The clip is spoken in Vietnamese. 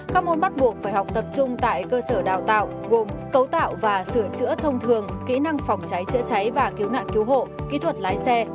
các môn bắt buộc phải học tập trung tại cơ sở đào tạo gồm cấu tạo và sửa chữa thông thường kỹ năng phòng cháy chữa cháy và cứu nạn cứu hộ kỹ thuật lái xe